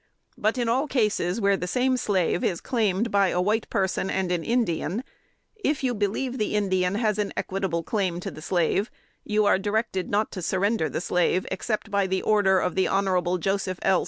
But in all cases where the same slave is claimed by a white person and an Indian, if you believe the Indian has an equitable claim to the slave, you are directed not to surrender the slave, except by the order of the Hon. Joseph L.